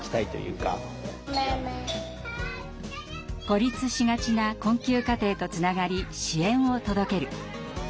孤立しがちな困窮家庭とつながり支援を届ける。